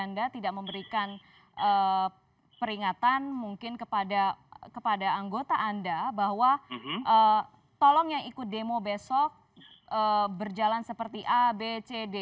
anda tidak memberikan peringatan mungkin kepada anggota anda bahwa tolong yang ikut demo besok berjalan seperti a b c d